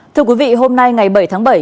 thưa quý vị hôm nay ngày bảy tháng bảy